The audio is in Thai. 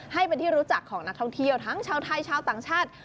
ให้เป็นที่รู้จักของนักท่องเที่ยวทั้งชาวไทยชาวต่างชาติ